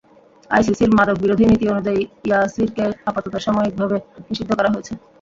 আইসিসির মাদক বিরোধী নীতি অনুযায়ী, ইয়াসিরকে আপাতত সাময়িক ভাবে নিষিদ্ধ করা হয়েছে।